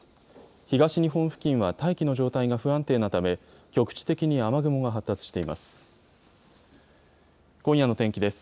東日本付近は大気の状態が不安定なため、局地的に雨雲が発達しています。